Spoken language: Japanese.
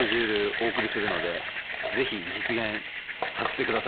お送りするので是非実現させてください。